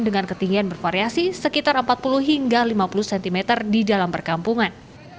dengan ketinggian bervariasi sekitar empat puluh hingga lima puluh cm di dalam perkampungan